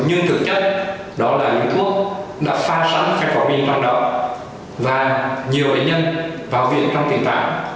nhưng thực chất đó là những thuốc đã pha sẵn phenformin toàn động và nhiều bệnh nhân vào viện trong tình trạng